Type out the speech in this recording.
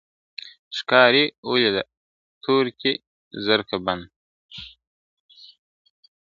ښکاري ولیده په تور کي زرکه بنده !.